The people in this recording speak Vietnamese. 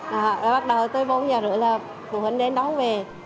là bắt đầu tới bốn giờ rưỡi là phụ huynh đến đón về